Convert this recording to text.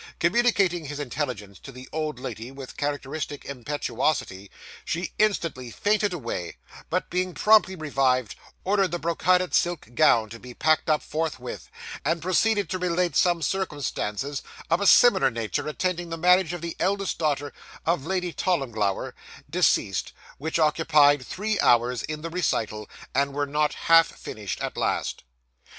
Communicating his intelligence to the old lady with characteristic impetuosity, she instantly fainted away; but being promptly revived, ordered the brocaded silk gown to be packed up forthwith, and proceeded to relate some circumstances of a similar nature attending the marriage of the eldest daughter of Lady Tollimglower, deceased, which occupied three hours in the recital, and were not half finished at last.